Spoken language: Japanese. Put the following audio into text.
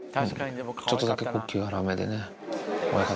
ちょっとだけ呼吸荒めでね。